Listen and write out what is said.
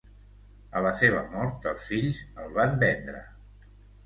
A la seva mort, els fills el van vendre.